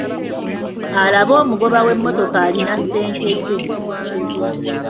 Alabe omugoba w'emmotoka alina ssente ze.